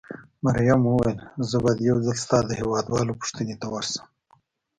مريم وویل: زه باید یو ځل ستا د هېواد والاو پوښتنې ته ورشم.